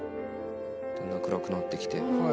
だんだん暗くなってきて。